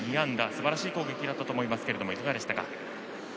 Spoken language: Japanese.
すばらしい攻撃だったと思いますけども、いかがですか？